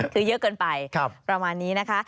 คือเยอะเกินไปประมาณนี้นะคะ